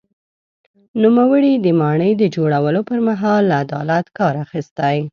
نوموړي د ماڼۍ د جوړولو پر مهال له عدالت کار اخیستی.